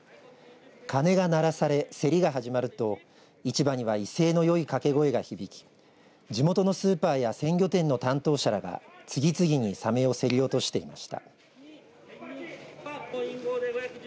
鐘が鳴らされ競りが始まると市場には威勢のよい掛け声が響き地元のスーパーや鮮魚店の担当者らが次々にさめを競り落としていました。